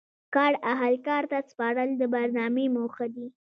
کار اهل کار ته سپارل د برنامې موخه دي.